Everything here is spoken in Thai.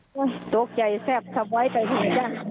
โหยตกใจแซ่บทับไวว้ป่ะเถอะจะ